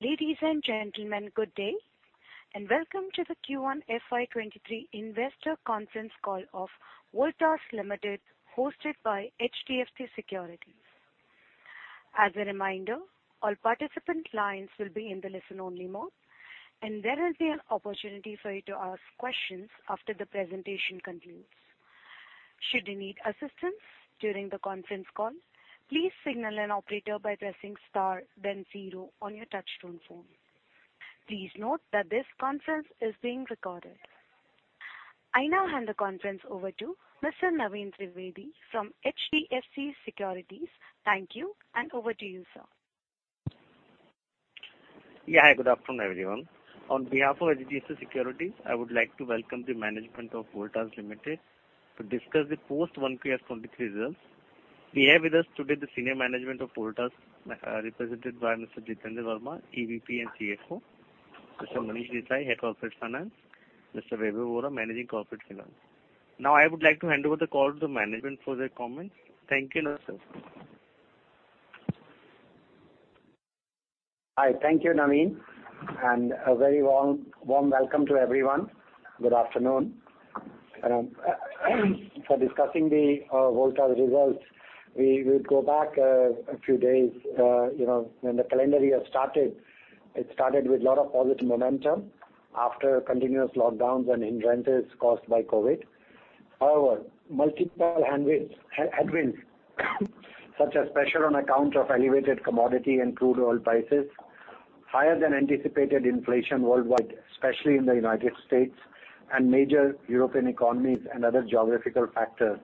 Ladies and gentlemen, good day, and welcome to the Q1 FY 2023 investor conference call of Voltas Limited, hosted by HDFC Securities. As a reminder, all participant lines will be in the listen-only mode, and there will be an opportunity for you to ask questions after the presentation concludes. Should you need assistance during the conference call, please signal an operator by pressing star then zero on your touchtone phone. Please note that this conference is being recorded. I now hand the conference over to Mr. Naveen Trivedi from HDFC Securities. Thank you, and over to you, sir. Yeah. Good afternoon, everyone. On behalf of HDFC Securities, I would like to welcome the management of Voltas Limited to discuss the post Q1 FY 2023 results. We have with us today the senior management of Voltas, represented by Mr. Jitender Verma, EVP and CFO, Mr. Manish Desai, Head Corporate Finance, Mr. Vaibhav Vora, Manager Corporate Finance. Now I would like to hand over the call to management for their comments. Thank you. Now, sir. Hi. Thank you, Naveen, and a very warm welcome to everyone. Good afternoon. For discussing the Voltas results, we will go back a few days, you know, when the calendar year started. It started with a lot of positive momentum after continuous lockdowns and hindrances caused by COVID. However, multiple headwinds, such as pressure on account of elevated commodity and crude oil prices, higher than anticipated inflation worldwide, especially in the United States and major European economies and other geographical factors,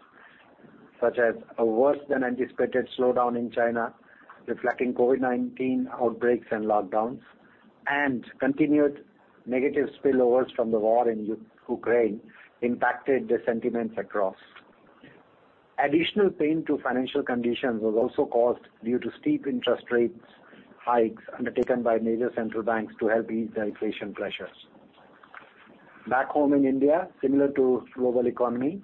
such as a worse than anticipated slowdown in China, reflecting COVID-19 outbreaks and lockdowns, and continued negative spillovers from the war in Ukraine impacted the sentiments across. Additional pain to financial conditions was also caused due to steep interest rate hikes undertaken by major central banks to help ease the inflation pressures. Back home in India, similar to global economy,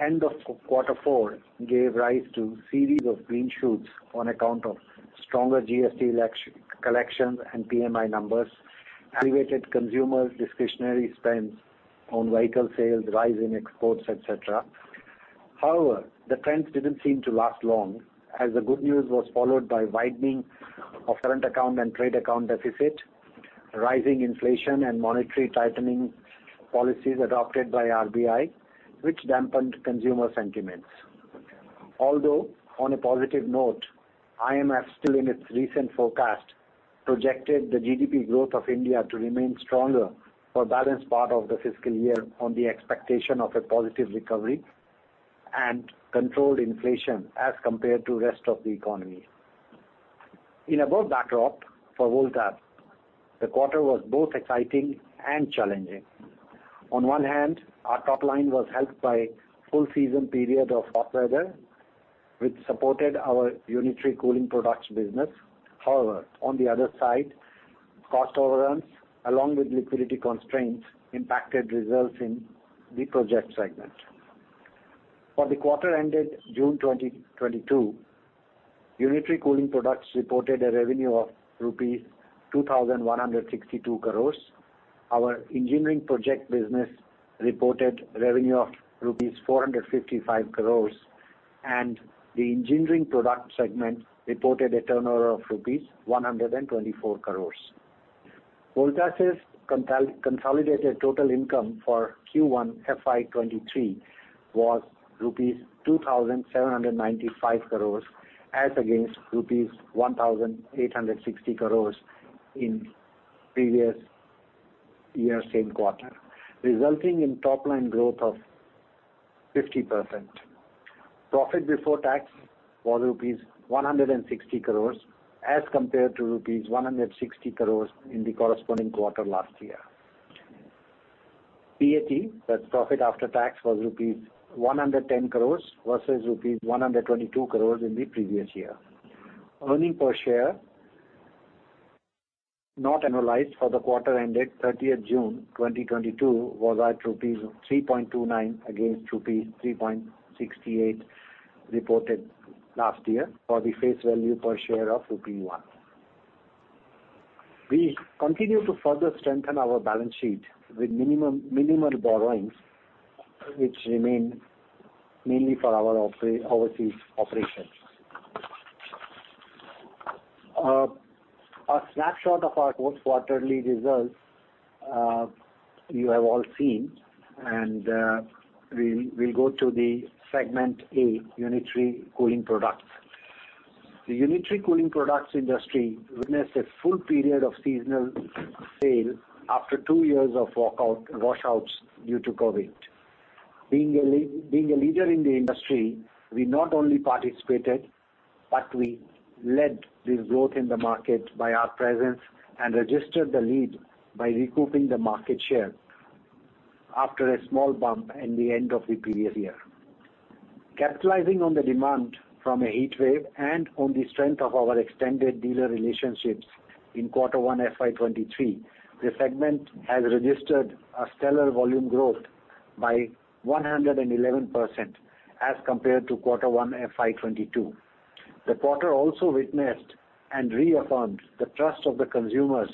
end of quarter four gave rise to series of green shoots on account of stronger GST collections and PMI numbers, elevated consumer discretionary spends on vehicle sales, rise in exports, et cetera. However, the trends didn't seem to last long, as the good news was followed by widening of current account and trade account deficit, rising inflation and monetary tightening policies adopted by RBI, which dampened consumer sentiments. Although, on a positive note, IMF still in its recent forecast projected the GDP growth of India to remain stronger for the balance of the fiscal year on the expectation of a positive recovery and controlled inflation as compared to rest of the economy. In above backdrop for Voltas, the quarter was both exciting and challenging. On one hand, our top line was helped by full season period of hot weather, which supported our Unitary Cooling Products business. However, on the other side, cost overruns along with liquidity constraints impacted results in the project segment. For the quarter ended June 2022, Unitary Cooling Products reported a revenue of rupees 2,162 crores. Our engineering project business reported revenue of rupees 455 crores, and the engineering product segment reported a turnover of rupees 124 crores. Voltas' consolidated total income for Q1 FY 2023 was rupees 2,795 crores as against rupees 1,860 crores in previous year same quarter, resulting in top line growth of 50%. Profit before tax was rupees 160 crores as compared to rupees 160 crores in the corresponding quarter last year. PAT, that's profit after tax, was rupees 110 crores versus rupees 122 crores in the previous year. Earnings per share not annualized for the quarter ended 30th June 2022 was at rupees 3.29 against rupees 3.68 reported last year for the face value per share of rupee 1. We continue to further strengthen our balance sheet with minimal borrowings which remain mainly for our overseas operations. A snapshot of our post quarterly results, you have all seen and, we'll go to the segment A, Unitary Cooling Products. The Unitary Cooling Products industry witnessed a full period of seasonal sale after two years of washouts due to COVID. Being a leader in the industry, we not only participated, but we led this growth in the market by our presence and registered the lead by recouping the market share after a small bump in the end of the previous year. Capitalizing on the demand from a heatwave and on the strength of our extended dealer relationships in quarter one FY 2023, the segment has registered a stellar volume growth by 111% as compared to quarter one FY 2022. The quarter also witnessed and reaffirmed the trust of the consumers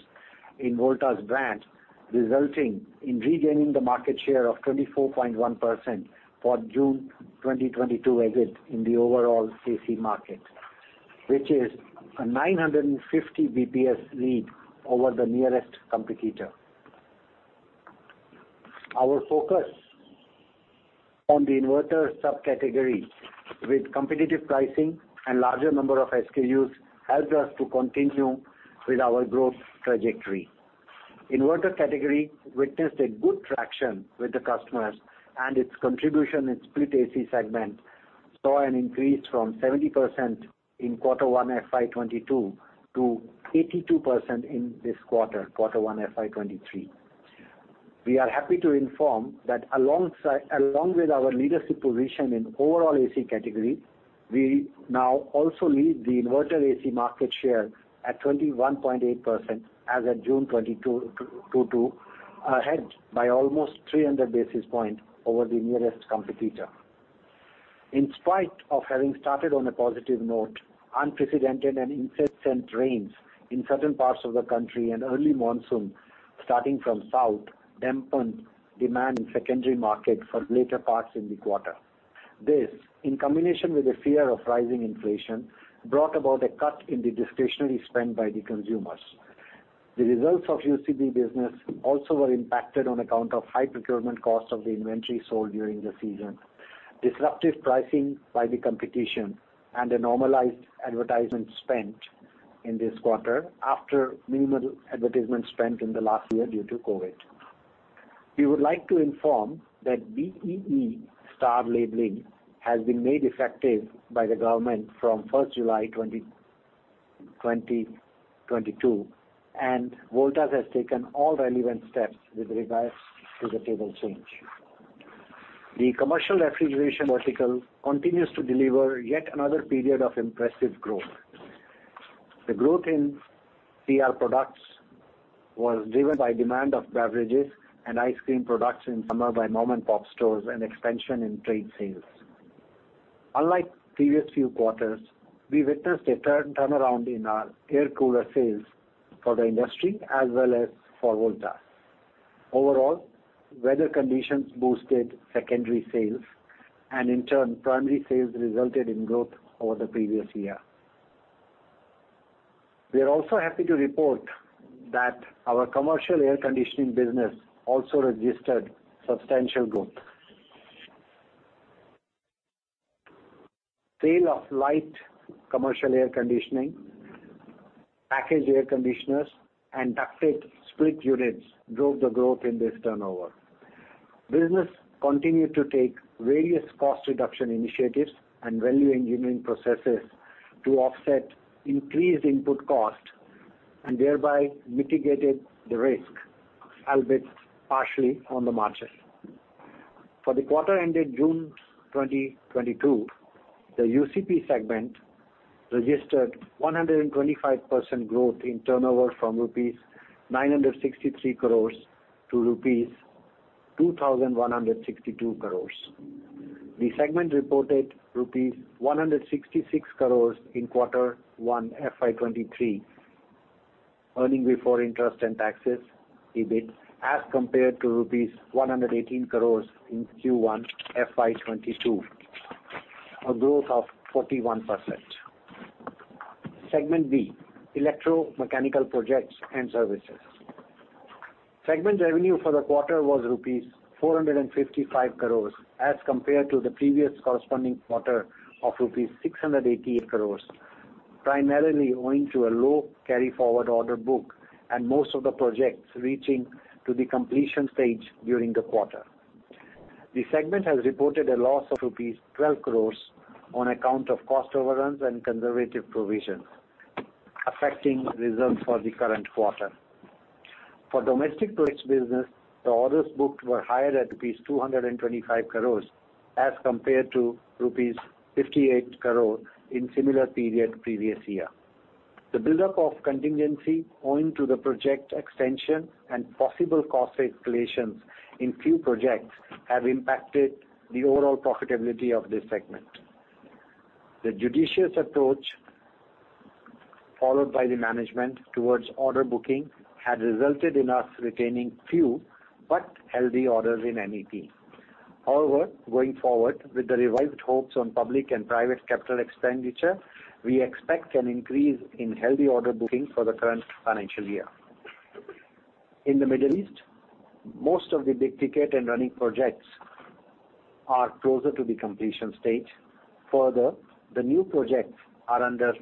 in Voltas's brand, resulting in regaining the market share of 24.1% for June 2022 exit in the overall AC market, which is a 950 basis points lead over the nearest competitor. Our focus on the inverter subcategory with competitive pricing and larger number of SKUs helped us to continue with our growth trajectory. Inverter category witnessed a good traction with the customers, and its contribution in split AC segment saw an increase from 70% in quarter one FY 2022 to 82% in this quarter one FY 2023. We are happy to inform that along with our leadership position in overall AC category, we now also lead the inverter AC market share at 21.8% as of June 2022, ahead by almost 300 basis points over the nearest competitor. In spite of having started on a positive note, unprecedented and incessant rains in certain parts of the country and early monsoon starting from south dampened demand in secondary market for later parts in the quarter. This, in combination with the fear of rising inflation, brought about a cut in the discretionary spend by the consumers. The results of UCP business also were impacted on account of high procurement costs of the inventory sold during the season, disruptive pricing by the competition, and a normalized advertisement spent in this quarter after minimal advertisement spent in the last year due to COVID. We would like to inform that BEE star labeling has been made effective by the government from 1st July 2022, and Voltas has taken all relevant steps with regards to the label change. The commercial refrigeration vertical continues to deliver yet another period of impressive growth. The growth in CR products was driven by demand of beverages and ice cream products in summer by mom-and-pop stores and expansion in trade sales. Unlike previous few quarters, we witnessed a turnaround in our air cooler sales for the industry as well as for Voltas. Overall, weather conditions boosted secondary sales and in turn, primary sales resulted in growth over the previous year. We are also happy to report that our commercial air conditioning business also registered substantial growth. Sale of light commercial air conditioning, packaged air conditioners and ducted split units drove the growth in this turnover. Business continued to take various cost reduction initiatives and value engineering processes to offset increased input cost and thereby mitigated the risk, albeit partially on the margins. For the quarter ending June 2022, the UCP segment registered 125% growth in turnover from rupees 963 crores to rupees 2,162 crores. The segment reported rupees 166 crore in Q1 FY 2023, earnings before interest and taxes, EBIT, as compared to rupees 118 crore in Q1 FY 2022, a growth of 41%. Segment B, electro-mechanical projects and services. Segment revenue for the quarter was rupees 455 crore as compared to the previous corresponding quarter of rupees 688 crore, primarily owing to a low carry-forward order book and most of the projects reaching to the completion stage during the quarter. The segment has reported a loss of rupees 12 crore on account of cost overruns and conservative provisions, affecting results for the current quarter. For domestic projects business, the orders booked were higher at rupees 225 crore as compared to rupees 58 crore in similar period previous year. The buildup of contingency owing to the project extension and possible cost escalations in few projects have impacted the overall profitability of this segment. The judicious approach followed by the management towards order booking had resulted in us retaining few but healthy orders in MEP. However, going forward, with the revived hopes on public and private capital expenditure, we expect an increase in healthy order booking for the current financial year. In the Middle East, most of the big ticket and running projects are closer to the completion stage. Further, the new projects are under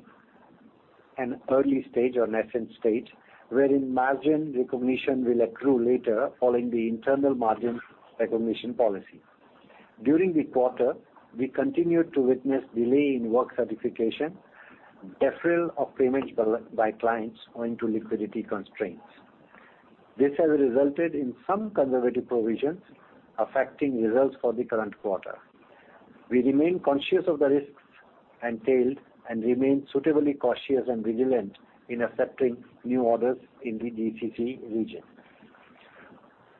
an early stage or nascent stage, wherein margin recognition will accrue later following the internal margin recognition policy. During the quarter, we continued to witness delay in work certification, deferral of payments by clients owing to liquidity constraints. This has resulted in some conservative provisions affecting results for the current quarter. We remain conscious of the risks entailed and remain suitably cautious and vigilant in accepting new orders in the GCC region.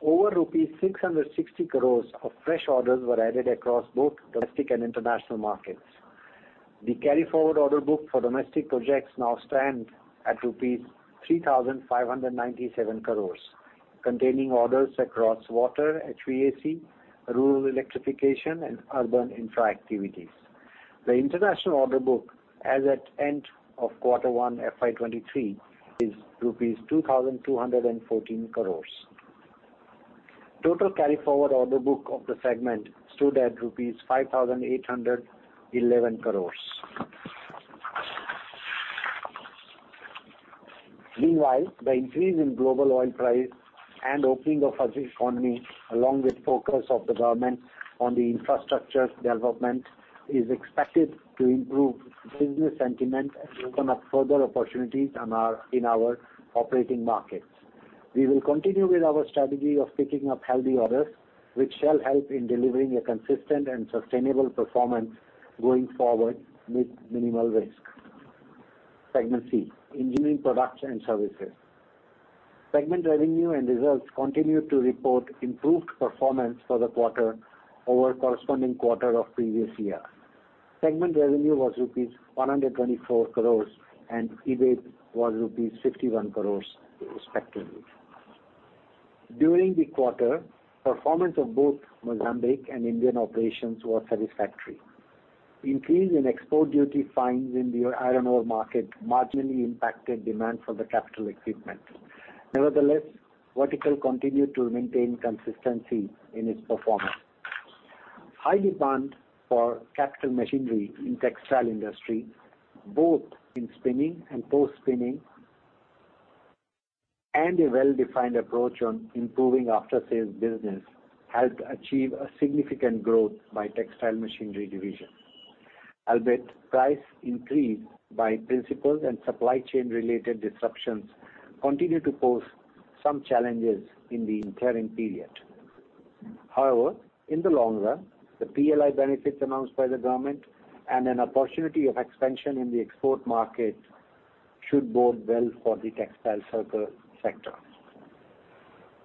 Over rupees 660 crores of fresh orders were added across both domestic and international markets. The carry-forward order book for domestic projects now stand at rupees 3,597 crores, containing orders across water, HVAC, rural electrification and urban infra activities. The international order book as at end of quarter one FY 2023 is rupees 2,214 crores. Total carry-forward order book of the segment stood at rupees 5,811 crores. Meanwhile, the increase in global oil price and opening of Turkish economy, along with focus of the government on the infrastructure development, is expected to improve business sentiment and open up further opportunities in our operating markets. We will continue with our strategy of picking up healthy orders, which shall help in delivering a consistent and sustainable performance going forward with minimal risk. Segment C, Engineering Products and Services. Segment revenue and results continued to report improved performance for the quarter over corresponding quarter of previous year. Segment revenue was rupees 124 crores and EBIT was rupees 51 crores respectively. During the quarter, performance of both Mozambique and Indian operations was satisfactory. Increase in export duty fines in the iron ore market marginally impacted demand for the capital equipment. Nevertheless, the vertical continued to maintain consistency in its performance. High demand for capital machinery in textile industry, both in spinning and post-spinning, and a well-defined approach on improving after-sales business helped achieve a significant growth by Textile Machinery division. Albeit price increase by principals and supply chain related disruptions continue to pose some challenges in the interim period. However, in the long run, the PLI benefits announced by the government and an opportunity of expansion in the export market should bode well for the textile sector.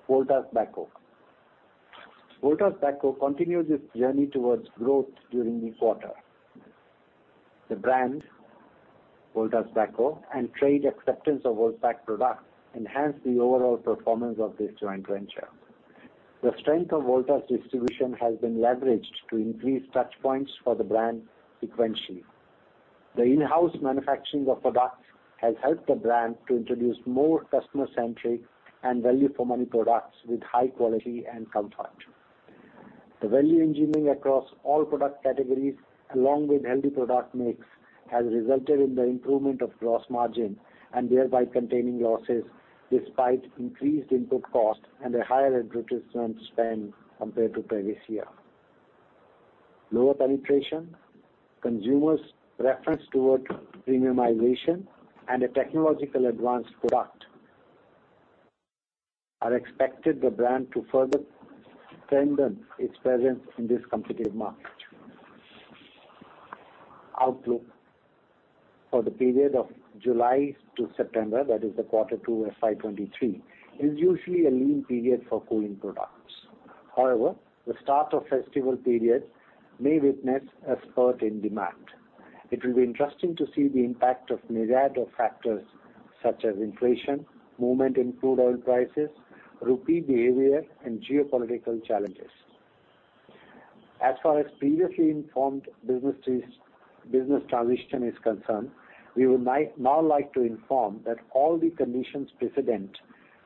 Voltas Beko. Voltas Beko continued its journey towards growth during the quarter. The brand, Voltas Beko, and trade acceptance of Voltas products enhanced the overall performance of this joint venture. The strength of Voltas distribution has been leveraged to increase touch points for the brand sequentially. The in-house manufacturing of products has helped the brand to introduce more customer-centric and value-for-money products with high quality and comfort. The value engineering across all product categories, along with healthy product mix, has resulted in the improvement of gross margin and thereby containing losses despite increased input costs and a higher advertisement spend compared to previous year. Lower penetration, consumers' preference towards premiumization and a technologically advanced product are expected the brand to further strengthen its presence in this competitive market. Outlook for the period of July to September, that is the quarter two FY 2023, is usually a lean period for cooling products. However, the start of festival period may witness a spurt in demand. It will be interesting to see the impact of myriad of factors such as inflation, movement in crude oil prices, rupee behavior and geopolitical challenges. As far as previously informed business transition is concerned, we now like to inform that all the conditions precedent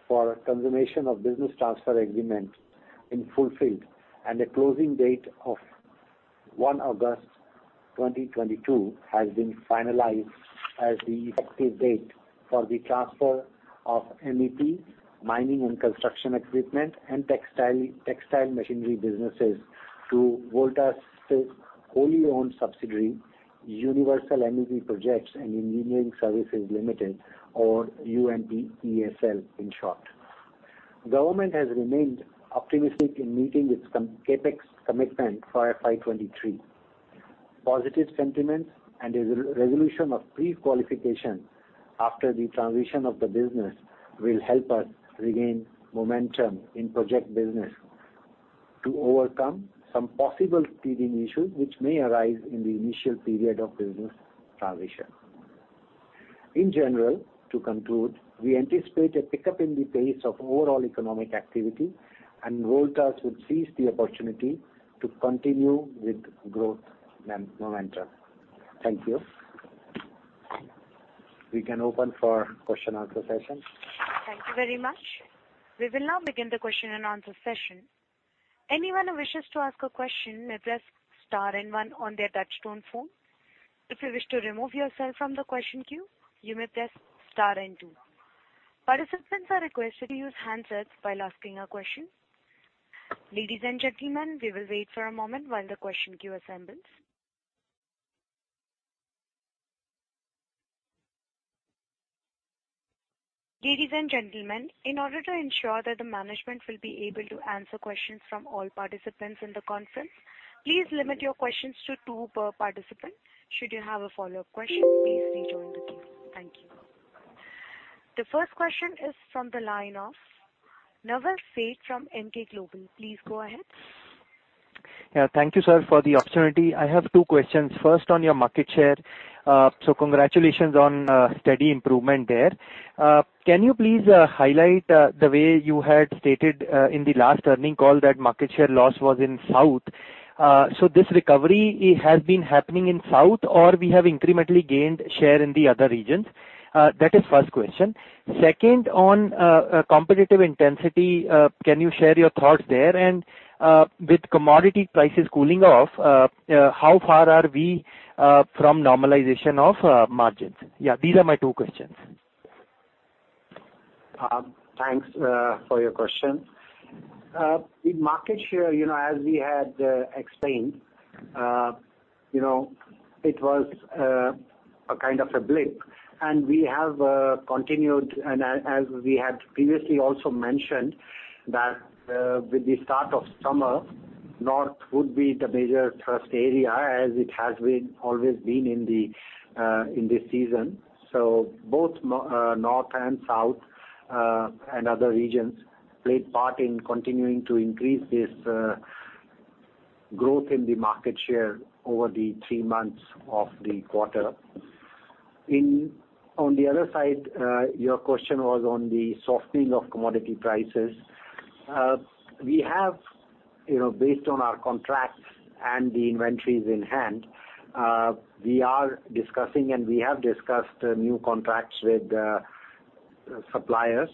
for consummation of business transfer agreement been fulfilled and a closing date of 1 August 2022 has been finalized as the effective date for the transfer of MEP, mining and construction equipment and textile machinery businesses to Voltas' wholly owned subsidiary, Universal MEP Projects & Engineering Services Limited or UMPESL in short. Government has remained optimistic in meeting its CapEx commitment for FY 2023. Positive sentiments and re-resolution of pre-qualification after the transition of the business will help us regain momentum in project business to overcome some possible teething issues which may arise in the initial period of business transition. In general, to conclude, we anticipate a pickup in the pace of overall economic activity and Voltas would seize the opportunity to continue with growth momentum. Thank you. We can open for question and answer session. Thank you very much. We will now begin the question and answer session. Anyone who wishes to ask a question may press star and one on their touchtone phone. If you wish to remove yourself from the question queue, you may press star and two. Participants are requested to use handsets while asking a question. Ladies and gentlemen, we will wait for a moment while the question queue assembles. Ladies and gentlemen, in order to ensure that the management will be able to answer questions from all participants in the conference, please limit your questions to two per participant. Should you have a follow-up question, please rejoin the queue. Thank you. The first question is from the line of Nirav Sheth from Emkay Global. Please go ahead. Yeah. Thank you, sir, for the opportunity. I have two questions. First, on your market share. Congratulations on steady improvement there. Can you please highlight the way you had stated in the last earnings call that market share loss was in South? This recovery, it has been happening in South, or we have incrementally gained share in the other regions? That is first question. Second, on competitive intensity, can you share your thoughts there? With commodity prices cooling off, how far are we from normalization of margins? Yeah, these are my two questions. Thanks for your question. The market share, you know, as we had explained, you know, it was a kind of a blip, and we have continued. As we had previously also mentioned that, with the start of summer, North would be the major thrust area, as it has always been in this season. Both North and South, and other regions played part in continuing to increase this growth in the market share over the three months of the quarter. On the other side, your question was on the softening of commodity prices. We have, you know, based on our contracts and the inventories in hand, we are discussing and we have discussed new contracts with suppliers.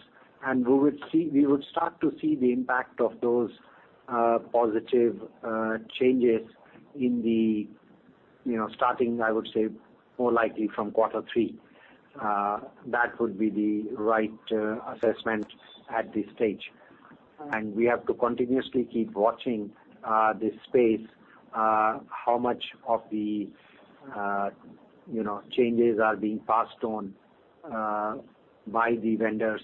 We would start to see the impact of those positive changes in the, you know, starting, I would say, more likely from quarter three. That would be the right assessment at this stage. We have to continuously keep watching this space, how much of the, you know, changes are being passed on by the vendors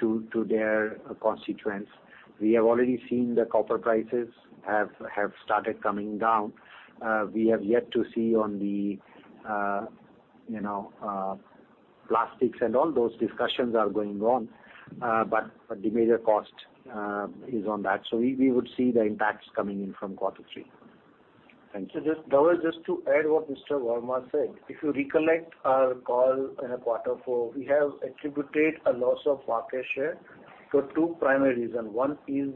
to their constituents. We have already seen the copper prices have started coming down. We have yet to see on the, you know, plastics and all those discussions are going on. The major cost is on that. We would see the impacts coming in from quarter three. Thank you. Nirav, just to add what Mr. Verma said, if you recollect our call in quarter four, we have attributed a loss of market share to two primary reason. One is,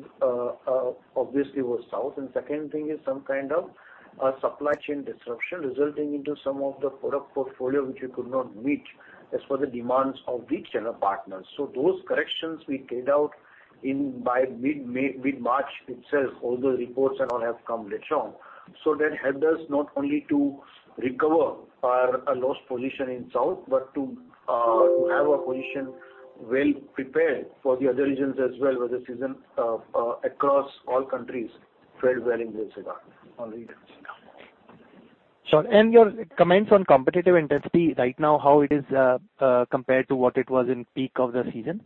obviously was South, and second thing is some kind of a supply chain disruption resulting into some of the product portfolio which we could not meet as per the demands of each channel partners. Those corrections we carried out in by mid-March itself, although reports and all have come later on. That helped us not only to recover our lost position in South, but to have a position well prepared for the other regions as well, where the season across all countries fared well in this regard on the industry now. Sure. Your comments on competitive intensity right now, how it is, compared to what it was in peak of the season?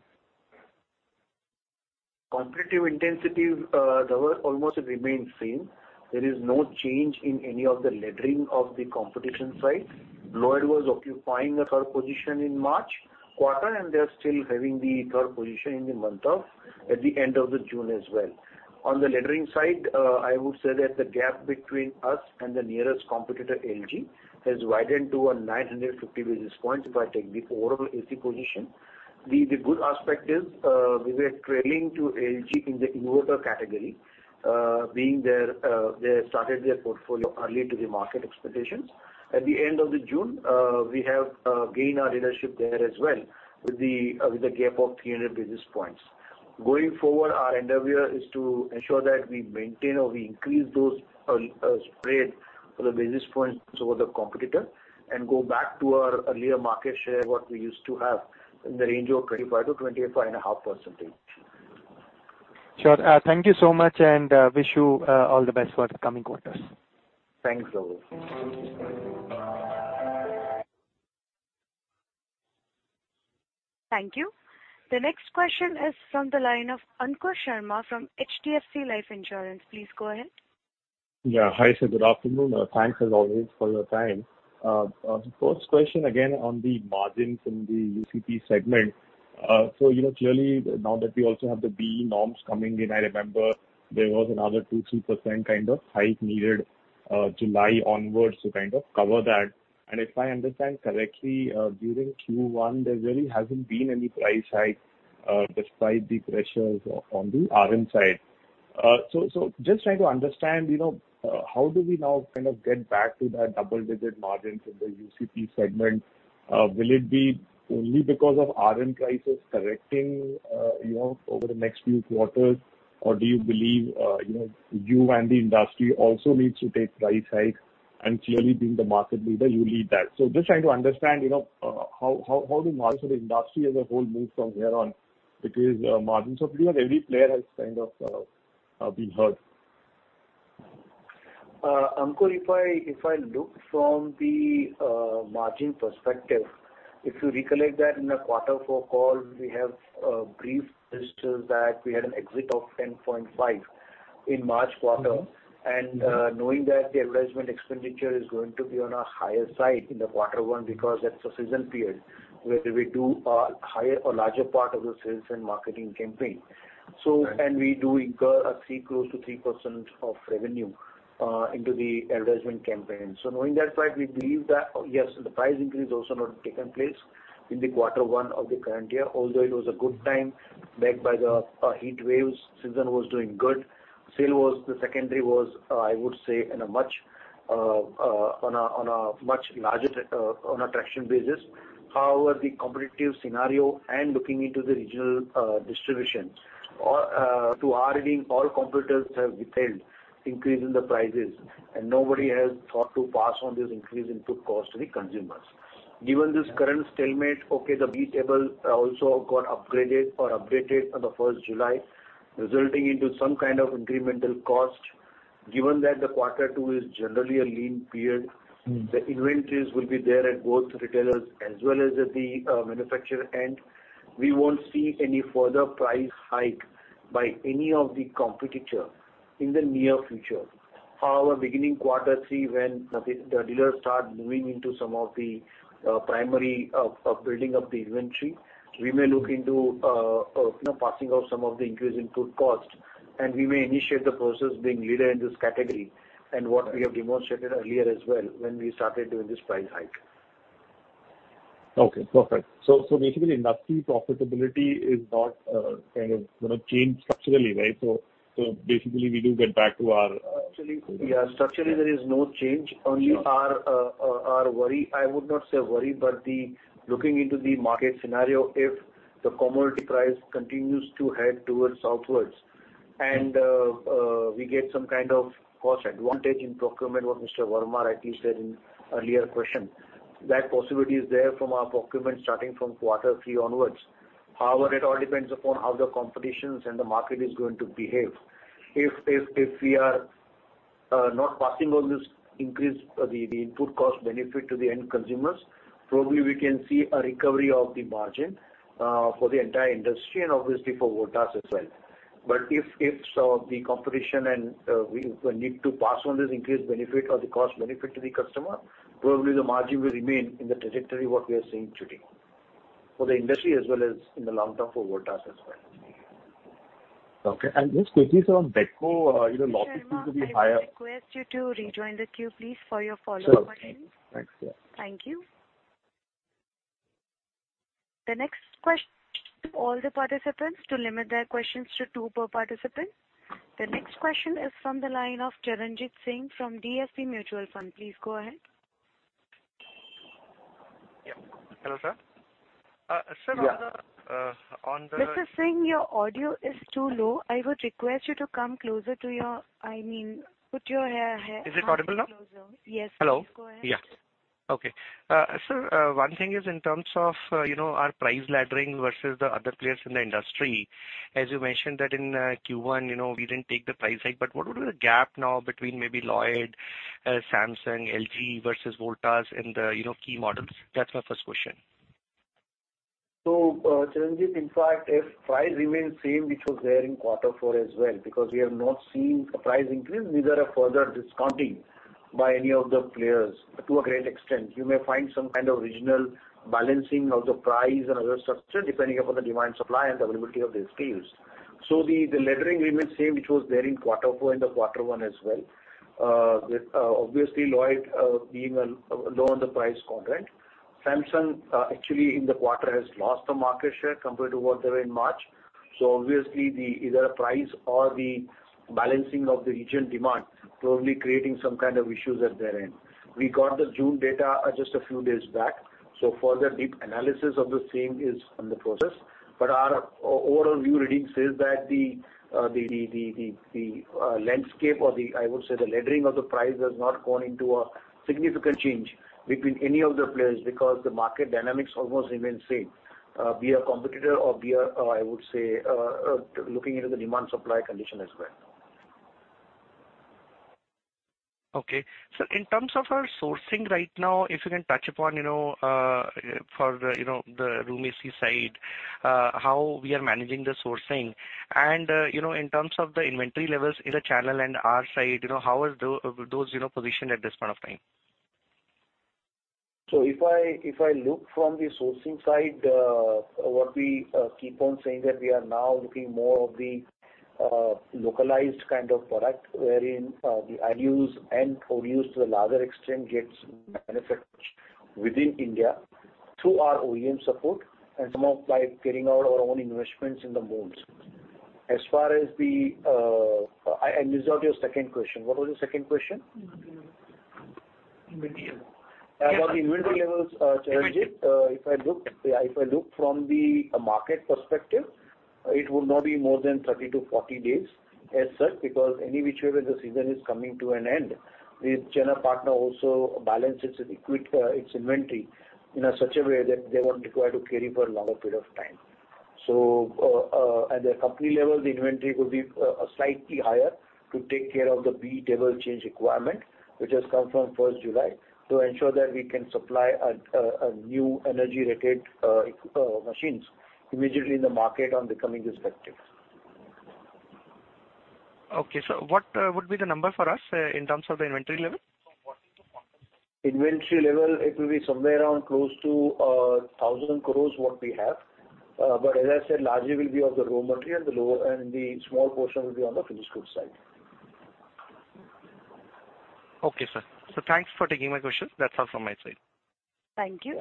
Competitive intensity, Nirav, almost remained same. There is no change in any of the laddering of the competition side. Lloyd was occupying a third position in March quarter, and they're still having the third position in the month of June at the end of June as well. On the laddering side, I would say that the gap between us and the nearest competitor, LG, has widened to 950 basis points if I take the overall AC position. The good aspect is, we were trailing to LG in the inverter category, because they started their portfolio early to the market expectations. At the end of June, we have gained our leadership there as well with a gap of 300 basis points. Going forward, our endeavor is to ensure that we maintain or we increase those spread for the basis points over the competitor and go back to our earlier market share, what we used to have in the range of 25%-25.5%. Sure. Thank you so much, and wish you all the best for the coming quarters. Thanks, Nirav. Thank you. The next question is from the line of Ankur Sharma from HDFC Life Insurance. Please go ahead. Yeah. Hi, sir. Good afternoon. Thanks as always for your time. First question again on the margins in the UCP segment. So, you know, clearly now that we also have the BEE norms coming in, I remember there was another 2%-3% kind of hike needed, July onwards to kind of cover that. If I understand correctly, during Q1, there really hasn't been any price hike, despite the pressures on the RM side. Just trying to understand, you know, how do we now kind of get back to that double-digit margins in the UCP segment? Will it be only because of RM prices correcting, you know, over the next few quarters? Or do you believe, you know, you and the industry also needs to take price hikes? Clearly, being the market leader, you lead that. Just trying to understand, you know, how the margins for the industry as a whole move from here on, because margins of pretty much every player has kind of been hurt. Ankur, if I look from the margin perspective, if you recollect that in the quarter four call, we have briefed this, that we had an exit of 10.5% in March quarter. Knowing that the advertisement expenditure is going to be on a higher side in quarter one because that's the season period where we do a higher or larger part of the sales and marketing campaign. Right. We do incur close to 3% of revenue into the advertisement campaign. Knowing that fact, we believe that, yes, the price increase also not taken place in quarter one of the current year, although it was a good time backed by the heat waves, season was doing good. Sales were, the secondary was, I would say on a much larger traction basis. However, the competitive scenario and looking into the regional distribution, or to our reading, all competitors have delayed increase in the prices and nobody has thought to pass on this increase input cost to the consumers. Given this current stalemate, the BEE table also got upgraded or updated on 1st July, resulting into some kind of incremental cost. Given that the quarter two is generally a lean period. The inventories will be there at both retailers as well as at the manufacturer end. We won't see any further price hike by any of the competitors in the near future. However, beginning quarter three, when the dealers start moving into some of the primary of building up the inventory, we may look into you know, passing on some of the increased input costs and we may initiate the process being leader in this category and what we have demonstrated earlier as well when we started doing this price hike. Okay, perfect. Basically industry profitability is not kind of gonna change structurally, right? Basically we do get back to our- Actually, yeah, structurally there is no change. Sure. Only our worry, I would not say worry, but the looking into the market scenario, if the commodity price continues to head towards southwards and we get some kind of cost advantage in procurement, what Mr. Verma rightly said in earlier question, that possibility is there from our procurement starting from quarter three onwards. However, it all depends upon how the competitions and the market is going to behave. If we are not passing on this increase, the input cost benefit to the end consumers, probably we can see a recovery of the margin for the entire industry and obviously for Voltas as well. If the competition and we need to pass on this increased benefit or the cost benefit to the customer, probably the margin will remain in the trajectory what we are seeing today, for the industry as well as in the long term for Voltas as well. Okay. Just quickly, sir, on Beko, you know, losses seem to be higher. Mr. Sharma, I would request you to rejoin the queue, please, for your follow-up questions. Sure. Thanks. Yeah. Thank you. Request all the participants to limit their questions to two per participant. The next question is from the line of Charanjit Singh from DSP Mutual Fund. Please go ahead. Yeah. Hello, sir. Sir, on the- Yeah. Uh, on the- Mr. Singh, your audio is too low. I would request you to, I mean, put your Is it audible now? Come closer. Yes. Hello. Please go ahead. Yeah. Okay. Sir, one thing is in terms of, you know, our price laddering versus the other players in the industry. As you mentioned that in Q1, you know, we didn't take the price hike, but what would be the gap now between maybe Lloyd, Samsung, LG versus Voltas in the, you know, key models? That's my first question. Charanjit, in fact, if price remains same, which was there in quarter four as well, because we have not seen a price increase, neither a further discounting by any of the players to a great extent. You may find some kind of regional balancing of the price and other structure depending upon the demand, supply and availability of the SKUs. The laddering remains same, which was there in quarter four and the quarter one as well. Obviously, Lloyd being low on the price quadrant. Samsung actually in the quarter has lost a market share compared to what they were in March. Obviously the either price or the balancing of the region demand probably creating some kind of issues at their end. We got the June data just a few days back, so further deep analysis of the same is in the process. Our overall view reading says that the landscape or the, I would say the laddering of the price has not gone into a significant change between any of the players because the market dynamics almost remain same, be a competitor or be a, or I would say, looking into the demand supply condition as well. Okay. Sir, in terms of our sourcing right now, if you can touch upon, you know, for the, you know, the RMC side, how we are managing the sourcing and, you know, in terms of the inventory levels in the channel and our side, you know, how is those, you know, positioned at this point of time? If I look from the sourcing side, what we keep on saying that we are now looking more of the localized kind of product wherein the IDUs and ODUs to the larger extent gets manufactured within India through our OEM support and some of by carrying out our own investments in the molds. I missed out your second question. What was your second question? Inventory levels. Inventory level. About the inventory levels, Charanjit. Inventory. If I look from the market perspective, it would not be more than 30-40 days as such because any which way the season is coming to an end. The channel partner also balances its inventory in such a way that they won't require to carry for a longer period of time. At the company level, the inventory will be slightly higher to take care of the BEE table change requirement, which has come from first July, to ensure that we can supply a new energy rated machines immediately in the market on becoming respective. What would be the number for us in terms of the inventory level? Inventory level, it will be somewhere around close to 1,000 crore what we have. As I said, largely will be of the raw material, and the small portion will be on the finished goods side. Okay, sir. Thanks for taking my questions. That's all from my side. Thank you.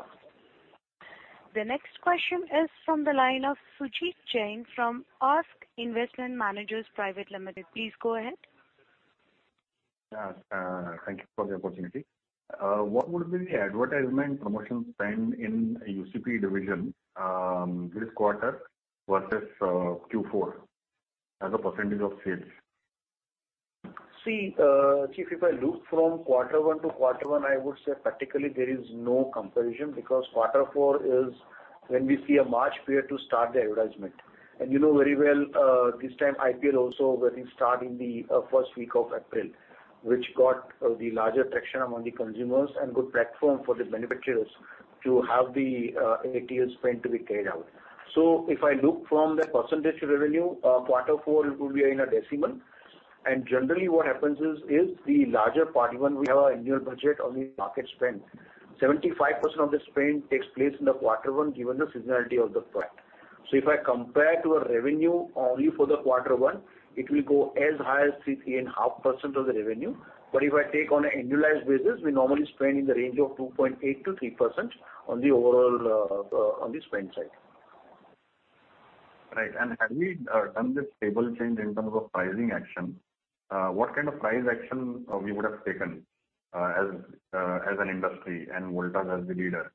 The next question is from the line of Sujit Jain from ASK Investment Managers Limited. Please go ahead. Yes, thank you for the opportunity. What would be the advertising and promotion spend in UCP division this quarter versus Q4 as a percentage of sales? See, Sujit, if I look from quarter one to quarter one, I would say particularly there is no comparison because quarter four is when we see a March period to start the advertisement. You know very well, this time IPL also getting started in the first week of April, which got the larger traction among the consumers and good platform for the manufacturers to have the ATL spend to be carried out. If I look from the percentage revenue, quarter four it will be in a decimal. Generally, what happens is the larger part, even though we have an annual budget on the market spend. 75% of the spend takes place in the quarter one, given the seasonality of the product. If I compare to a revenue only for the quarter one, it will go as high as 3.5% of the revenue. If I take on an annualized basis, we normally spend in the range of 2.8%-3% on the overall, on the spend side. Right. Have we done this table change in terms of pricing action? What kind of price action we would have taken as an industry and Voltas as the leader?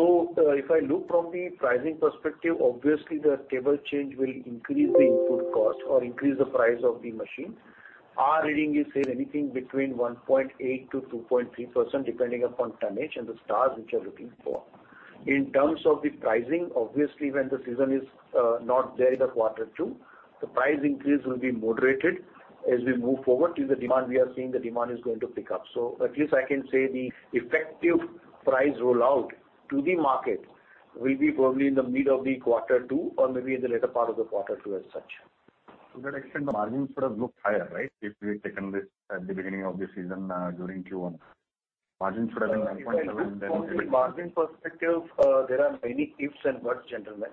If I look from the pricing perspective, obviously the label change will increase the input cost or increase the price of the machine. Our reading is, say, anything between 1.8%-2.3%, depending upon tonnage and the stars which you're looking for. In terms of the pricing, obviously, when the season is not there in the quarter two, the price increase will be moderated. As we move forward to the demand, we are seeing the demand is going to pick up. At least I can say the effective price rollout to the market will be probably in the mid of the quarter two or maybe in the later part of the quarter two as such. To that extent, the margins would have looked higher, right? If we had taken this at the beginning of the season, during Q1, margins should have been 1.7%. If I look from the margin perspective, there are many ifs and buts, gentlemen.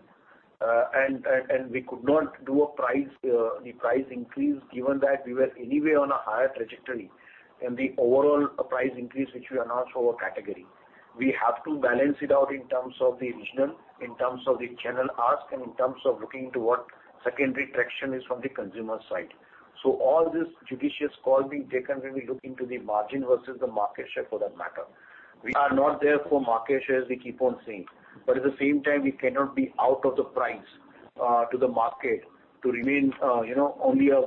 And we could not do the price increase given that we were anyway on a higher trajectory in the overall price increase, which we announced for our category. We have to balance it out in terms of the regional, in terms of the channel ask, and in terms of looking into what secondary traction is from the consumer side. All this judicious call being taken when we look into the margin versus the market share for that matter. We are not there for market shares, we keep on saying. At the same time, we cannot be out of the price to the market to remain, you know, only a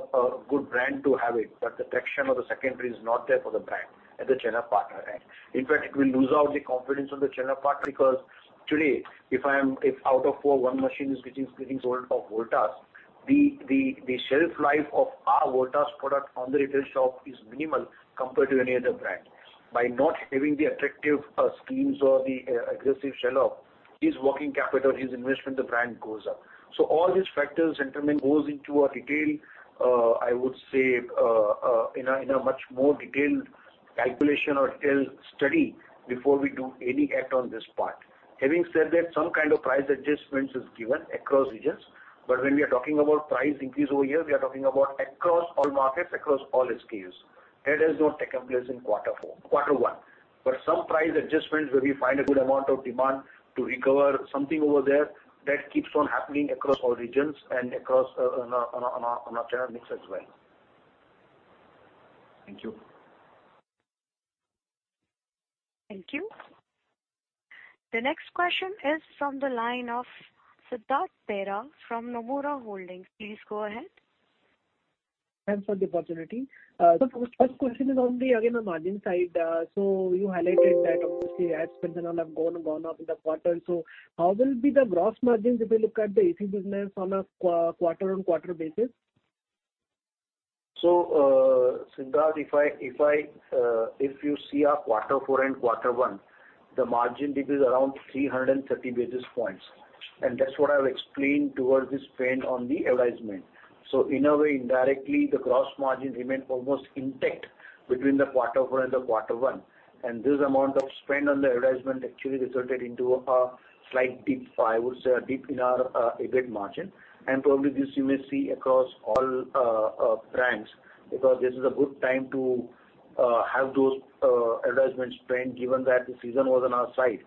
good brand to have it, but the traction of the secondary is not there for the brand at the channel partner end. In fact, it will lose out the confidence of the channel partner, because today, if out of four, one machine is getting sold of Voltas, the shelf life of our Voltas product on the retail shop is minimal compared to any other brand. By not having the attractive schemes or the aggressive sell-off, his working capital, his investment, the brand goes up. All these factors, gentlemen, goes into a detail, I would say, in a much more detailed calculation or detailed study before we do any act on this part. Having said that, some kind of price adjustments is given across regions, but when we are talking about price increase over here, we are talking about across all markets, across all scales. That has not taken place in quarter one. Some price adjustments where we find a good amount of demand to recover something over there, that keeps on happening across all regions and across on our channel mix as well. Thank you. Thank you. The next question is from the line of Siddhartha Bera from Nomura Holdings. Please go ahead. Thanks for the opportunity. First question is on the, again, the margin side. You highlighted that obviously ad spends and all have gone up in the quarter. How will be the gross margins if you look at the AC business on a quarter-on-quarter basis? Siddhartha, if you see our quarter four and quarter one, the margin dip is around 330 basis points. That's what I've explained towards the spend on the advertisement. In a way, indirectly, the gross margin remained almost intact between the quarter four and the quarter one. This amount of spend on the advertisement actually resulted into a slight dip, I would say, a dip in our EBIT margin. Probably this you may see across all brands, because this is a good time to have those advertisement spend, given that the season was on our side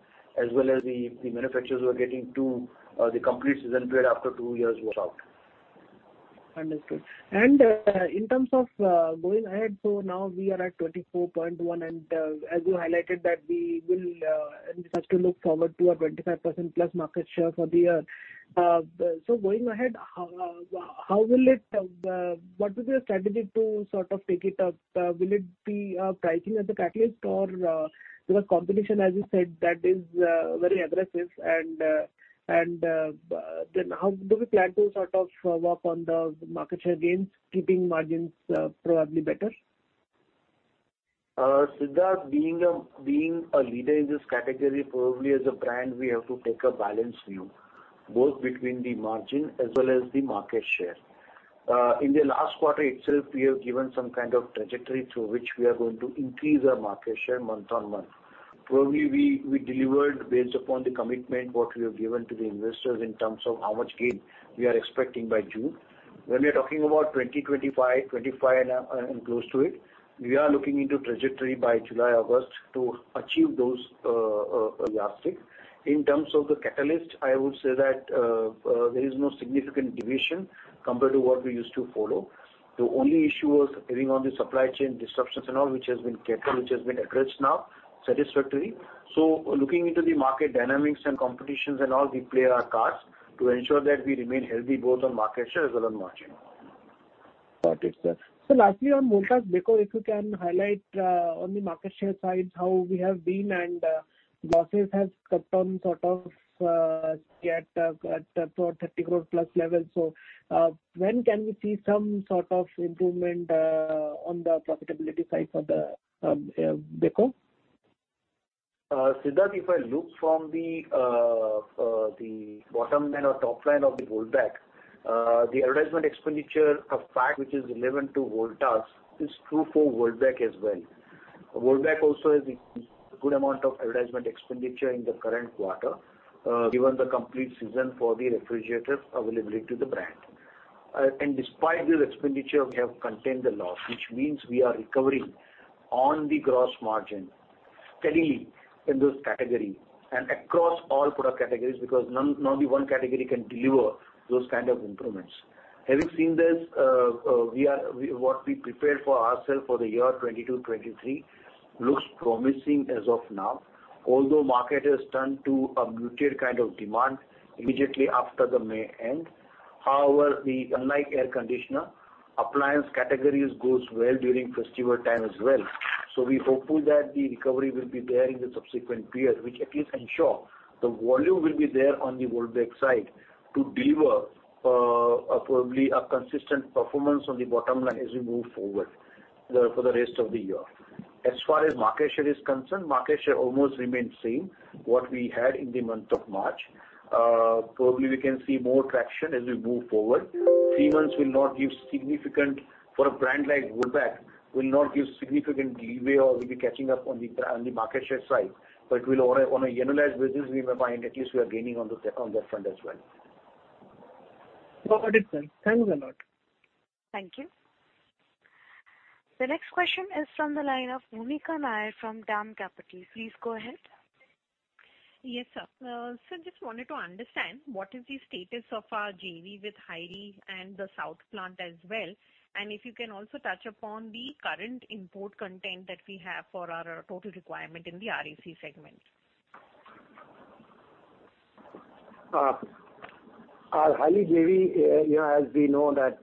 as well as the manufacturers were getting to the complete season period after two years was out. Understood. In terms of going ahead, now we are at 24.1, and as you highlighted that we will, and we have to look forward to a 25%+ market share for the year. Going ahead, how will it, what is your strategy to sort of pick it up? Will it be pricing as a catalyst or, because competition, as you said, that is very aggressive and then how do we plan to sort of work on the market share gains, keeping margins probably better? Siddhartha, being a leader in this category, probably as a brand, we have to take a balanced view, both between the margin as well as the market share. In the last quarter itself, we have given some kind of trajectory through which we are going to increase our market share month-on-month. Probably, we delivered based upon the commitment what we have given to the investors in terms of how much gain we are expecting by June. When we are talking about 20-25 and close to it, we are looking into trajectory by July, August to achieve those yardsticks. In terms of the catalyst, I would say that there is no significant deviation compared to what we used to follow. The only issue was carrying on the supply chain disruptions and all which has been kept and which has been addressed now satisfactorily. Looking into the market dynamics and competitions and all, we play our cards to ensure that we remain healthy both on market share as well on margin. Got it, sir. Lastly, on Voltas Beko, if you can highlight on the market share side, how we have been and losses have cut down sort of yet at around 30 crore+ level. When can we see some sort of improvement on the profitability side for the Beko? Siddhartha, if I look from the bottom line or top line of Voltas, the advertisement expenditure impact which is relevant to Voltas is true for Voltas as well. Voltas also has a good amount of advertisement expenditure in the current quarter, given the complete season for the refrigerators availability to the brand. Despite this expenditure, we have contained the loss, which means we are recovering on the gross margin steadily in this category and across all product categories because not only one category can deliver those kind of improvements. Having seen this, what we prepared for ourselves for the year 2022-2023 looks promising as of now. Although market has turned to a muted kind of demand immediately after the May end. However, unlike air conditioner appliance categories go well during festival time as well. We're hopeful that the recovery will be there in the subsequent period, which at least ensures the volume will be there on the Voltas side to deliver probably a consistent performance on the bottom line as we move forward for the rest of the year. As far as market share is concerned, market share almost remains the same as what we had in the month of March. Probably we can see more traction as we move forward. Three months will not give significant leeway for a brand like Voltas or catching up on the market share side. We'll on an annualized basis find at least we are gaining on that front as well. Got it, sir. Thank you very much. Thank you. The next question is from the line of Bhoomika Nair from DAM Capital. Please go ahead. Yes, sir. Sir, just wanted to understand what is the status of our JV with Highly and the south plant as well? If you can also touch upon the current import content that we have for our total requirement in the RAC segment. Our Highly JV, you know, as we know that,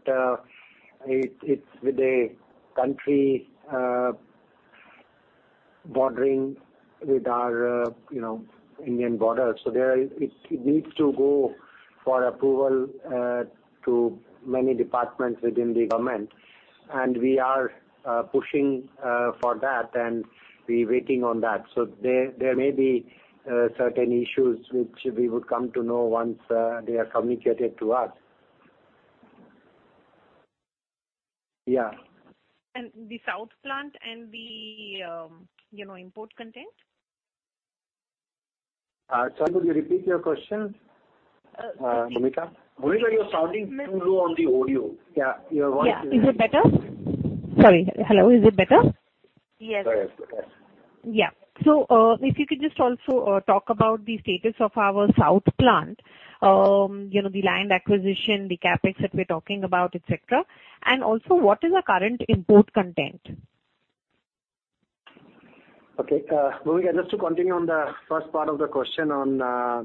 it's with a country bordering with our, you know, Indian border. There it needs to go for approval to many departments within the government, and we are pushing for that and we waiting on that. There may be certain issues which we would come to know once they are communicated to us. Yeah. The south plant and the, you know, import content? Sorry, could you repeat your question? Sorry. Bhoomika. Bhoomika, you're sounding too low on the audio. Yeah, your voice is. Yeah. Is it better? Sorry. Hello, is it better? Yes. Yes. Yes. Yeah. If you could just also talk about the status of our south plant, you know, the land acquisition, the CapEx that we're talking about, et cetera. What is our current import content? Okay. Bhoomika, just to continue on the first part of the question on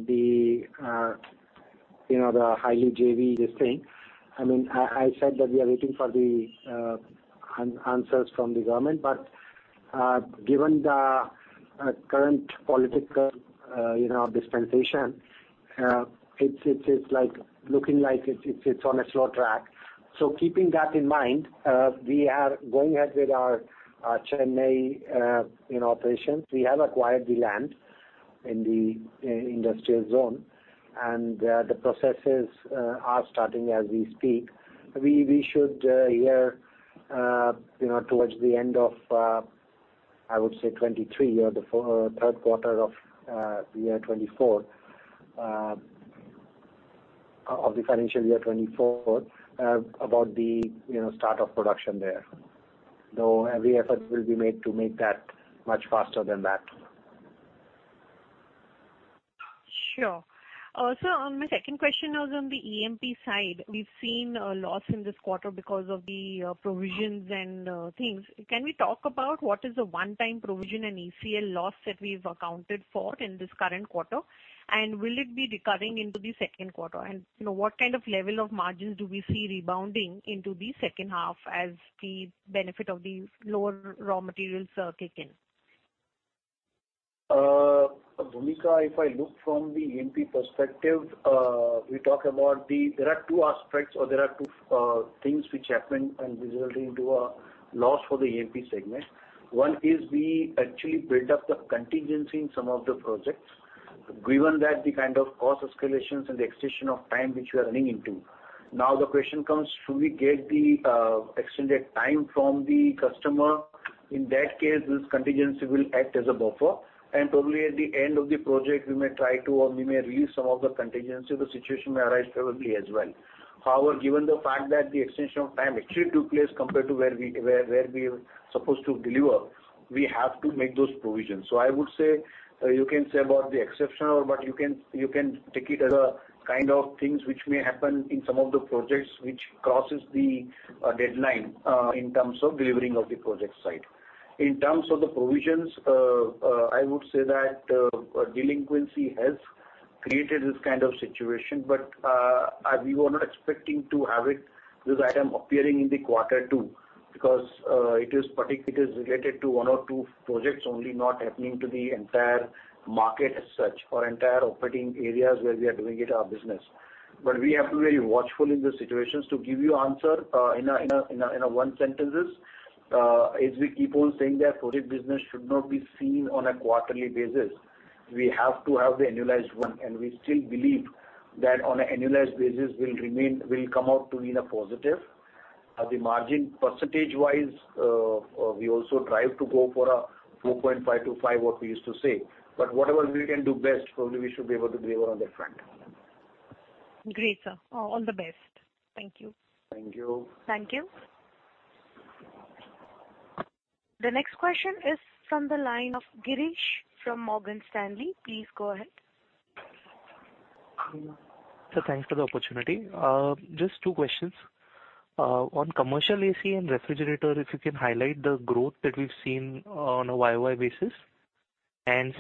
the Highly JV, you know, this thing. I mean, I said that we are waiting for the answers from the government. Given the current political dispensation, you know, it's like looking like it's on a slow track. Keeping that in mind, we are going ahead with our Chennai, you know, operations. We have acquired the land in the industrial zone, and the processes are starting as we speak. We should hear, you know, towards the end of, I would say, 2023 or the third quarter of the year 2024, of the financial year 2024, about the, you know, start of production there, though every effort will be made to make that much faster than that. Sure. Sir, my second question was on the EMP side. We've seen a loss in this quarter because of the provisions and things. Can we talk about what is the one-time provision and ACL loss that we've accounted for in this current quarter, and will it be recurring into the second quarter? You know, what kind of level of margins do we see rebounding into the second half as the benefit of the lower raw materials kick in? Bhoomika, if I look from the EMP perspective, we talk about the there are two aspects or there are two things which happened and resulted into a loss for the EMP segment. One is we actually build up the contingency in some of the projects, given that the kind of cost escalations and the extension of time which we are running into. Now, the question comes, should we get the extended time from the customer? In that case, this contingency will act as a buffer, and probably at the end of the project we may try to or we may release some of the contingency. The situation may arise favorably as well. However, given the fact that the extension of time actually took place compared to where we were supposed to deliver, we have to make those provisions. I would say, you can say about the exceptional, but you can take it as a kind of things which may happen in some of the projects which crosses the deadline in terms of delivering of the project site. In terms of the provisions, I would say that delinquency has created this kind of situation. We were not expecting to have it, this item appearing in quarter two because it is related to one or two projects only, not happening to the entire market as such or entire operating areas where we are doing our business. We have to be watchful in the situations. To give you answer in a one sentence, as we keep on saying that project business should not be seen on a quarterly basis. We have to have the annualized one, and we still believe that on a annualized basis will come out to be in a positive. At the margin percentage-wise, we also try to go for a 4.5%-5% what we used to say. Whatever we can do best, probably we should be able to deliver on that front. Great, sir. All the best. Thank you. Thank you. Thank you. The next question is from the line of Girish from Morgan Stanley. Please go ahead. Sir, thanks for the opportunity. Just two questions. On commercial AC and refrigerator, if you can highlight the growth that we've seen on a YoY basis.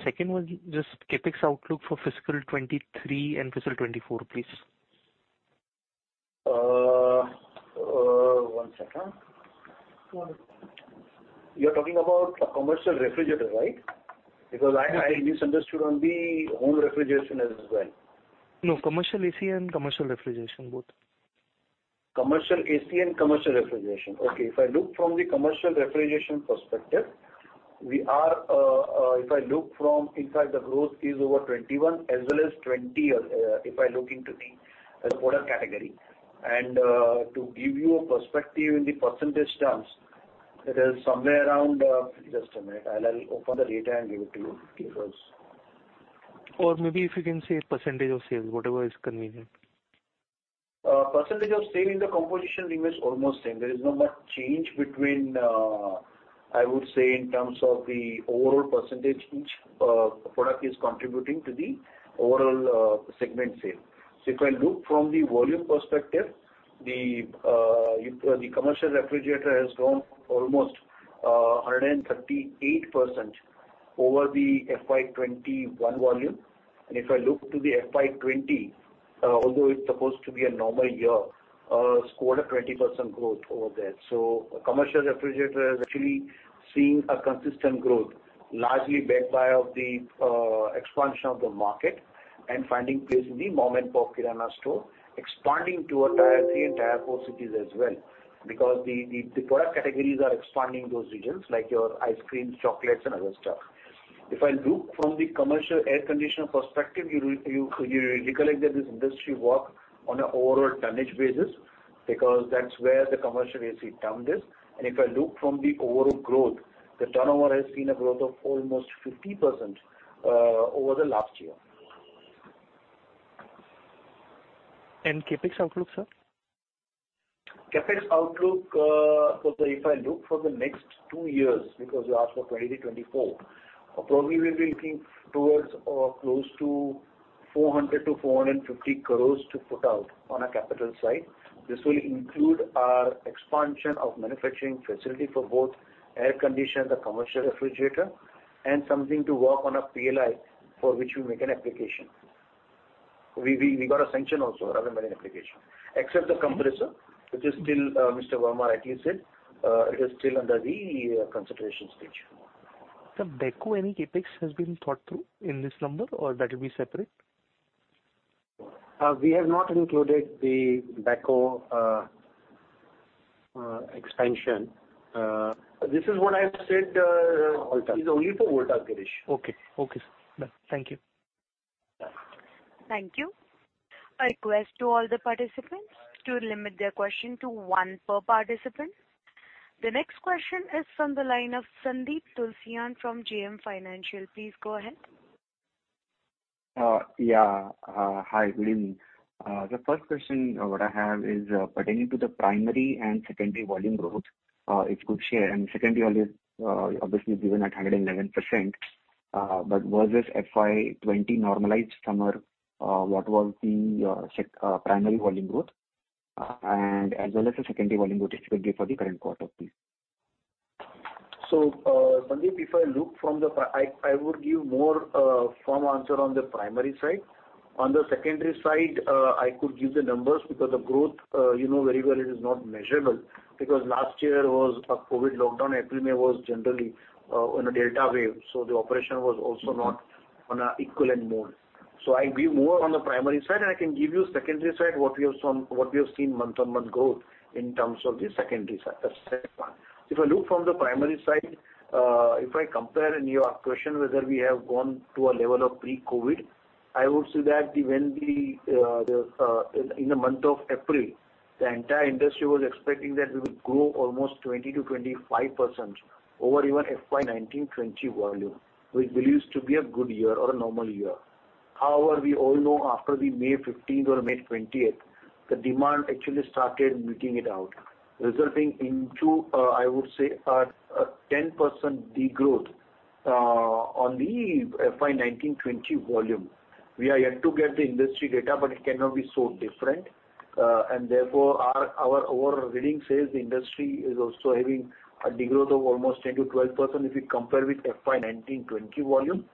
Second one, just CapEx outlook for fiscal 2023 and fiscal 2024, please. One second. You're talking about commercial refrigerator, right? Because I misunderstood on the home refrigeration as well. No, commercial AC and commercial refrigeration, both. Commercial AC and commercial refrigeration. Okay. If I look from the commercial refrigeration perspective, in fact the growth is over 21% as well as 20% if I look into the product category. To give you a perspective in the percentage terms, it is somewhere around, just a minute. I'll open the data and give it to you because. Maybe if you can say percentage of sales, whatever is convenient. Percentage of sale in the composition remains almost same. There is not much change between, I would say in terms of the overall percentage each product is contributing to the overall segment sale. If I look from the volume perspective, the commercial refrigerator has grown almost 138% over the FY 2021 volume. If I look to the FY 2020, although it's supposed to be a normal year, it's grown at 20% growth over there. Commercial refrigerator has actually seen a consistent growth, largely backed by the expansion of the market and finding place in the mom and pop kirana store, expanding to our tier three and tier four cities as well. Because the product categories are expanding those regions, like your ice creams, chocolates and other stuff. If I look from the commercial air conditioner perspective, you recollect that this industry work on an overall tonnage basis because that's where the commercial AC term is. If I look from the overall growth, the turnover has seen a growth of almost 50% over the last year. CapEx outlook, sir? CapEx outlook. If I look for the next two years, because you asked for 2020 to 2024, probably we'll be looking towards or close to 400 crore-450 crore to put out on a capital side. This will include our expansion of manufacturing facility for both air conditioner, the commercial refrigerator, and something to work on a PLI for which we make an application. We got a sanction also rather than an application. Except the compressor, which is still, Mr. Verma rightly said, it is still under the consideration stage. Sir, Beko any CapEx has been thought through in this number or that'll be separate? We have not included the Beko expansion. This is what I said. Volta. It's only for Voltas, Girish. Okay. Okay, sir. Done. Thank you. Thank you. A request to all the participants to limit their question to one per participant. The next question is from the line of Sandeep Tulsiyan from JM Financial. Please go ahead. Hi, good evening. The first question that I have is pertaining to the primary and secondary volume growth, it's good share and secondary volume, obviously given at 111%. Versus FY 2020 normalized summer, what was the primary volume growth, and as well as the secondary volume growth, especially for the current quarter, please. Sandeep, I would give more firm answer on the primary side. On the secondary side, I could give the numbers because the growth, you know very well it is not measurable because last year was a COVID lockdown. April, May was generally on a Delta wave, so the operation was also not on an equivalent mode. I'll give more on the primary side, and I can give you secondary side, what we have seen month-on-month growth in terms of the secondary side, second one. If I look from the primary side, if I compare and you ask question whether we have gone to a level of pre-COVID, I would say that when in the month of April, the entire industry was expecting that we will grow almost 20%-25% over even FY 2019-2020 volume. We believed to be a good year or a normal year. However, we all know after the May 15th or May 20th, the demand actually started petering out, resulting into a 10% degrowth on the FY 2019-2020 volume. We are yet to get the industry data, but it cannot be so different. Therefore, our reading says the industry is also having a degrowth of almost 10%-12% if you compare with FY 2019-2020 volume.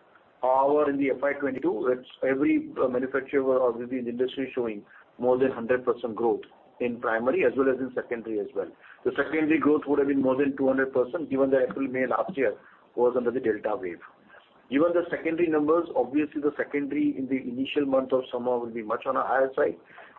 However, in the FY 2022, it's every manufacturer or within the industry showing more than 100% growth in primary as well as in secondary as well. The secondary growth would have been more than 200% given the April, May last year was under the Delta wave. Given the secondary numbers, obviously the secondary in the initial month of summer will be much on a higher side.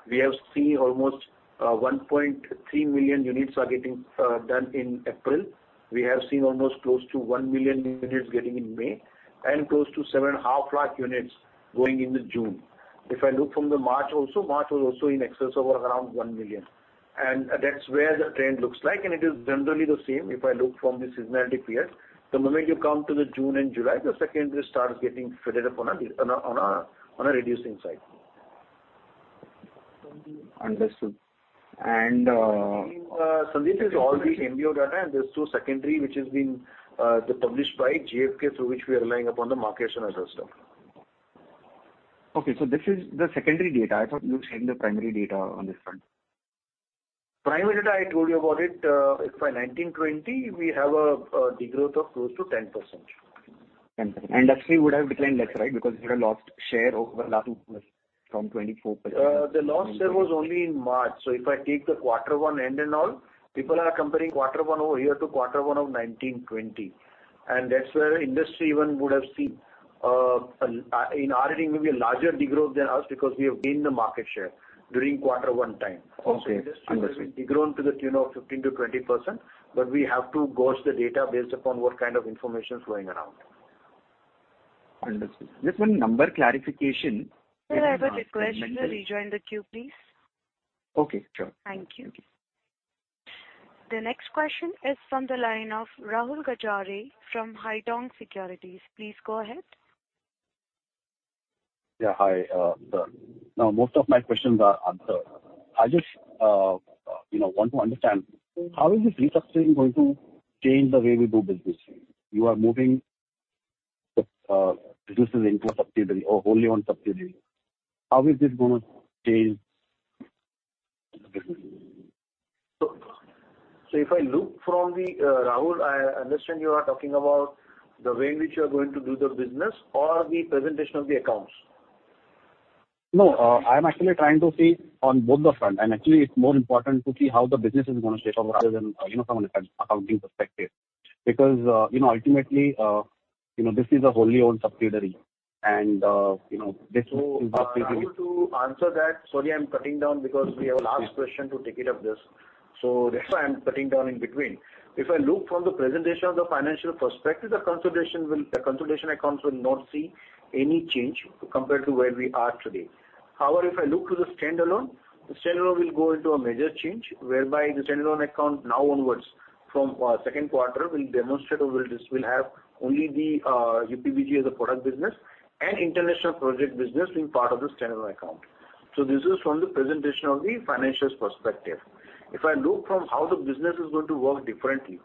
We have seen almost 1.3 million units are getting done in April. We have seen almost close to 1 million units getting in May, and close to 7.5 lakh units going into June. If I look from the March also, March was also in excess of around 1 million. That's where the trend looks like, and it is generally the same if I look from the seasonality period. The moment you come to the June and July, the secondary starts getting filled up on a reducing side. Understood. Sandeep, this is all the MBO data, and there's two secondary which has been published by GfK through which we are relying upon the market share as well. Okay, this is the secondary data. I thought you've shared the primary data on this front. Primary data, I told you about it. FY 2019-2020, we have a degrowth of close to 10%. 10%. Industry would have declined less, right? Because we had a lost share over last two quarters from 24%. The lost share was only in March. If I take the quarter one end and all, people are comparing quarter one over here to quarter one of 2019-2020. That's where industry even would have seen, in our reading maybe a larger degrowth than us because we have gained the market share during quarter one time. Okay. Understood. Also industry will be degrown to the tune of 15%-20%, but we have to gauge the data based upon what kind of information flowing around. Understood. Just one number clarification- Sir, I have a request. Can you rejoin the queue, please? Okay, sure. Thank you. Thank you. The next question is from the line of Rahul Gajare from Haitong Securities. Please go ahead. Yeah. Hi. So now most of my questions are answered. I just, you know, want to understand how is this restructuring going to change the way we do business? You are moving businesses into a subsidiary or wholly owned subsidiary. How is this gonna change the business? If I look from the, Rahul, I understand you are talking about the way in which you are going to do the business or the presentation of the accounts? No, I'm actually trying to see on both the front, and actually it's more important to see how the business is gonna shape up rather than, you know, from an accounting perspective. Because, you know, ultimately, you know, this is a wholly owned subsidiary and, you know, this will impact the. Rahul, to answer that, sorry, I'm cutting you short because we have a last question to take this up. That's why I'm cutting you short in between. If I look from the perspective of the financial presentation, the consolidated accounts will not see any change compared to where we are today. However, if I look at the standalone, the standalone will go into a major change whereby the standalone account now onwards from second quarter will demonstrate or will have only the UCPG as a product business and international project business being part of the standalone account. This is from the perspective of the financial presentation. If I look from how the business is going to work differently,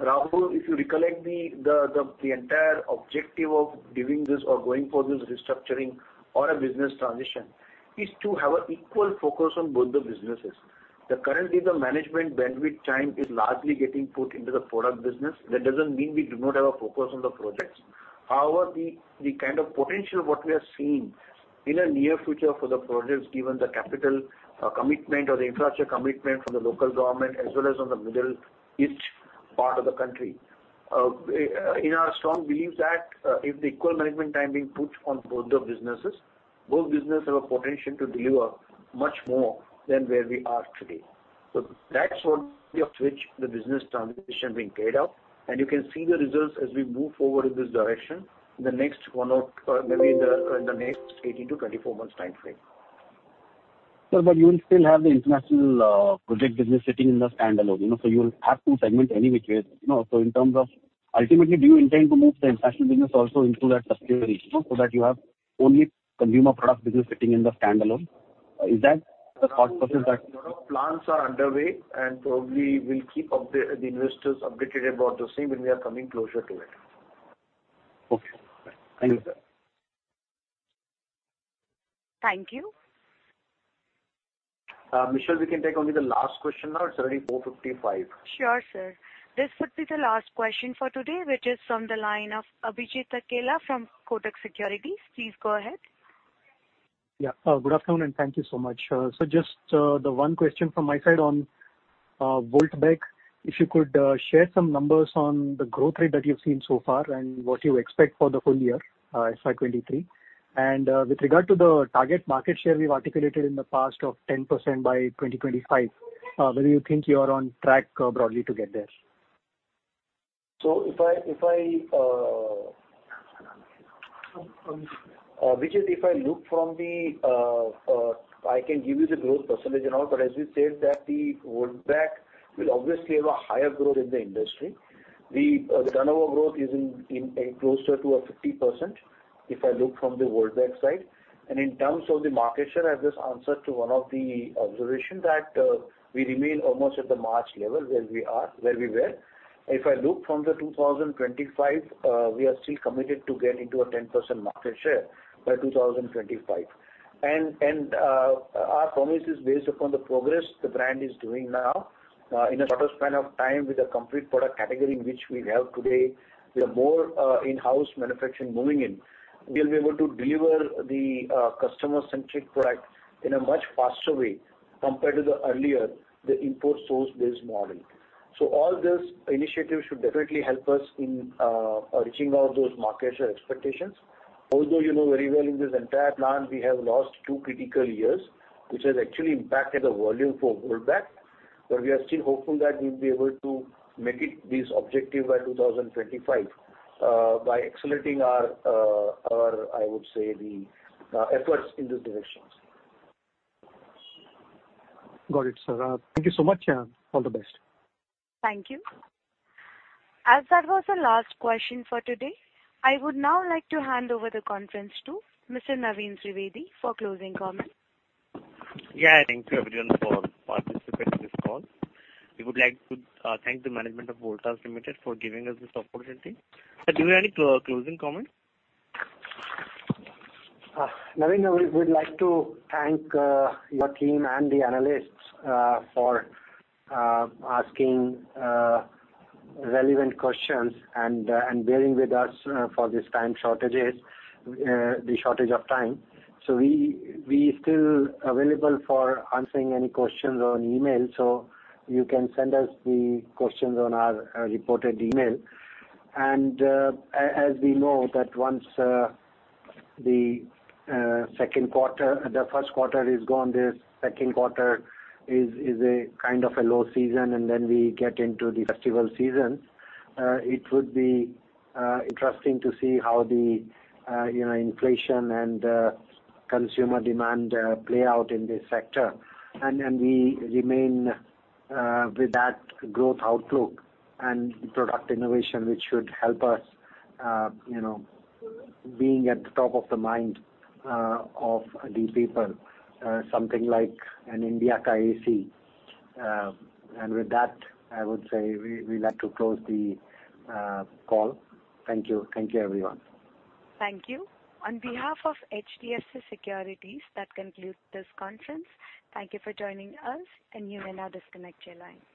Rahul, if you recollect the entire objective of doing this or going for this restructuring or a business transition is to have an equal focus on both the businesses. Currently the management bandwidth time is largely getting put into the product business. That doesn't mean we do not have a focus on the projects. However, the kind of potential what we are seeing in the near future for the projects given the capital commitment or the infrastructure commitment from the local government as well as on the Middle East part of the country, in our strong belief that, if the equal management time being put on both the businesses, both business have a potential to deliver much more than where we are today. That's what of which the business transition being carried out, and you can see the results as we move forward in this direction in the next one or, maybe the next 18-24 months timeframe. Sir, you'll still have the international project business sitting in the standalone, you know. You'll have to segment anyway, you know. In terms of ultimately, do you intend to move the international business also into that subsidiary so that you have only consumer product business sitting in the standalone? Is that the thought process? Plans are underway, and probably we'll keep the investors updated about the same when we are coming closer to it. Okay. Thank you, sir. Thank you. Michelle, we can take only the last question now. It's already 4:55 P.M. Sure, sir. This would be the last question for today, which is from the line of Abhijit Akella from Kotak Securities. Please go ahead. Yeah. Good afternoon, and thank you so much. Just the one question from my side on Voltas, if you could share some numbers on the growth rate that you've seen so far and what you expect for the full year, FY 2023. With regard to the target market share we've articulated in the past of 10% by 2025, whether you think you are on track broadly to get there? Abhijit, if I look, I can give you the growth percentage and all, but as we said that the Voltbek will obviously have a higher growth in the industry. The turnover growth is closer to 50% if I look from the Voltbek side. In terms of the market share, I just answered to one of the observation that we remain almost at the March level where we were. If I look from the 2025, we are still committed to getting to a 10% market share by 2025. Our promise is based upon the progress the brand is doing now in a shorter span of time with a complete product category which we have today. We have more in-house manufacturing moving in. We'll be able to deliver the customer-centric product in a much faster way compared to the earlier import source-based model. All these initiatives should definitely help us in reaching out those market share expectations. Although you know very well in this entire plan we have lost two critical years, which has actually impacted the volume for Voltbek, but we are still hopeful that we'll be able to make it this objective by 2025 by accelerating our, I would say, the efforts in this direction. Got it, sir. Thank you so much, and all the best. Thank you. As that was the last question for today, I would now like to hand over the conference to Mr. Naveen Trivedi for closing comments. Yeah, thank you everyone for participating in this call. We would like to thank the management of Voltas Limited for giving us this opportunity. Sir, do you have any closing comments? Naveen, I would like to thank your team and the analysts for asking relevant questions and bearing with us for this time shortage. We still available for answering any questions on email, so you can send us the questions on our reported email. As we know that once the first quarter is gone, the second quarter is a kind of low season, and then we get into the festival season, it would be interesting to see how you know, inflation and consumer demand play out in this sector. We remain with that growth outlook and product innovation, which should help us, you know, being at the top of the mind of the people, something like an India Ka AC. With that, I would say we'd like to close the call. Thank you. Thank you, everyone. Thank you. On behalf of HDFC Securities, that concludes this conference. Thank you for joining us, and you may now disconnect your line.